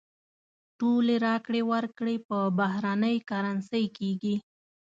ټولې راکړې ورکړې په بهرنۍ کرنسۍ کېږي.